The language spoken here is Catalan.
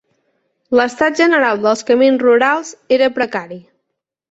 L'estat general dels camins rurals era precari.